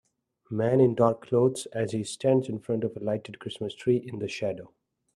Man in dark clothes as he stands in front of a lighted Christmas tree in the shadows.